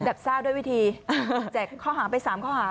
ทราบด้วยวิธีแจกข้อหาไป๓ข้อหา